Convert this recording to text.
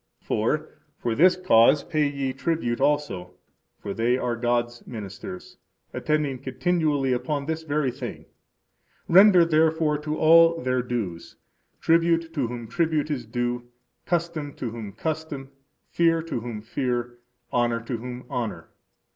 For, for this cause pay ye tribute also; for they are God's ministers, attending continually upon this very thing. Render therefore to all their dues: tribute to whom tribute is due; custom, to whom custom; fear, to whom fear; honor, to whom honor.